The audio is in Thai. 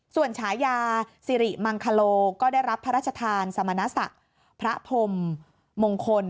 ส่วนฉายาสิริมังคโลก็ได้รับพระราชทานสมณศักดิ์พระพรมมงคล